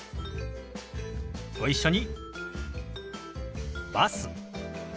ご一緒に。